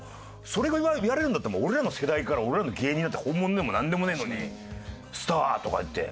それが言われるやれるんだったら俺らの世代から俺らの芸人なんて本物でもなんでもねえのにスターとかいって。